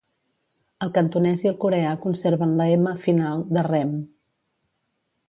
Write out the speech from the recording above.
El cantonès i el coreà conserven la "m" final de "remm".